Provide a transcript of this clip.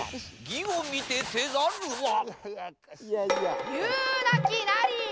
義を見てせざるは。